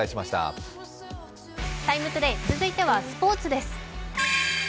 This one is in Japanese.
続いてはスポーツです。